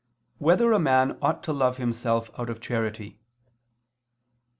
4] Whether a Man Ought to Love Himself Out of Charity?